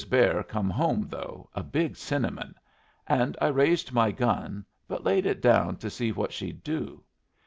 Bear come home though, a big cinnamon; and I raised my gun, but laid it down to see what she'd do.